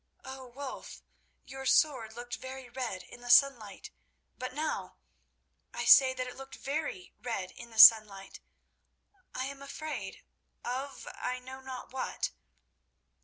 Oh, Wulf! your sword looked very red in the sunlight but now: I say that it looked very red in the sunlight. I am afraid—of I know not what.